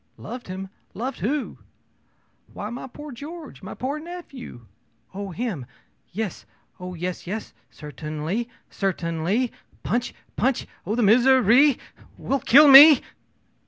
ō'Loved him! Loved who?' ō'Why, my poor George! my poor nephew!' ō'Oh him! Yes oh, yes, yes. Certainly certainly. Punch punch oh, this misery will kill me!'